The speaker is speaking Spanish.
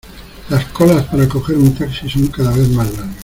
Las colas para coger un taxi son cada vez más largas.